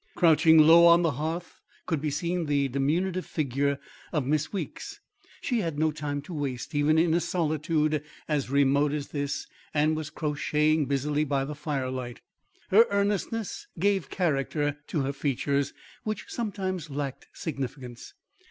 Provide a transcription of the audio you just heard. Crouching low on the hearth could be seen the diminutive figure of Miss Weeks. She had no time to waste even in a solitude as remote as this, and was crocheting busily by the firelight. Her earnestness gave character to her features which sometimes lacked significance.